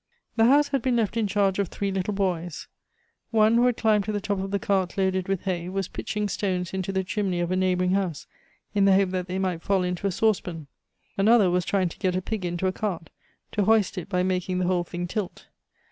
The house had been left in charge of three little boys. One, who had climbed to the top of the cart loaded with hay, was pitching stones into the chimney of a neighboring house, in the hope that they might fall into a saucepan; another was trying to get a pig into a cart, to hoist it by making the whole thing tilt.